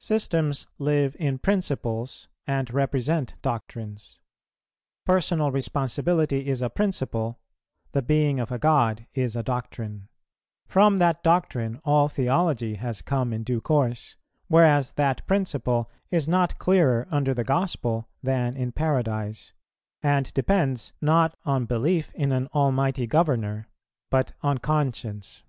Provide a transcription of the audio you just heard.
Systems live in principles and represent doctrines. Personal responsibility is a principle, the Being of a God is a doctrine; from that doctrine all theology has come in due course, whereas that principle is not clearer under the Gospel than in paradise, and depends, not on belief in an Almighty Governor, but on conscience.